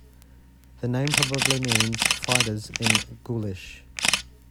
The name probably means "fighters" in Gaulish.